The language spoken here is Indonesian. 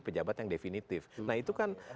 pejabat yang definitif nah itu kan